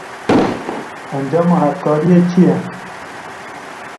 Encama hevkariyê çi ye?